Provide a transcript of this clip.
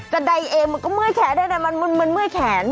แต่ใดเองมันก็เมื่อแขนนะมันเมื่อแขน